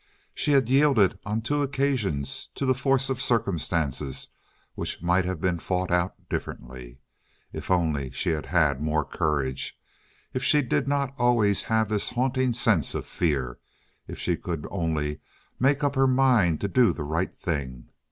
She had yielded on two occasions to the force of circumstances which might have been fought out differently. If only she had had more courage! If she did not always have this haunting sense of fear! If she could only make up her mind to do the right thing!